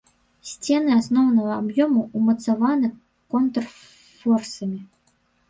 Сцены асноўнага аб'ёму ўмацаваны контрфорсамі.